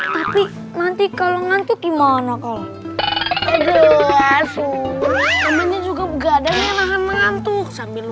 tapi nanti kalau ngantuk gimana kau aduh asuh namanya juga begadang yang nahan mengantuk sambil